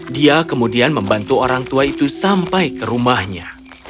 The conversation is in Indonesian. dia kemudian membantu orang tua itu sampai ke rumahnya